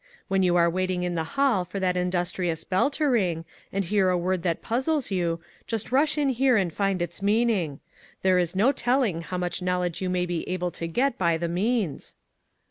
When you are waiting in the hall for that industrious bell to ring and hear a word that puzzles you, just rush in here and find its meaning. There is no telling how much knowledge you may be able to get by the means."